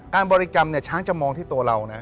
บริกรรมเนี่ยช้างจะมองที่ตัวเรานะ